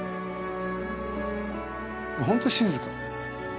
本当静か。